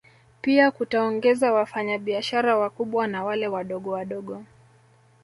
Pia kutaongeza wafanya biashara wakubwa na wale wadogowadogo